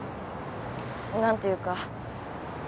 何ていうか。